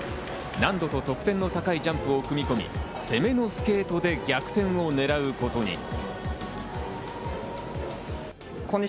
難度と得点の高いジャンプを組み込み、攻めのスケートで逆転をねらうことに。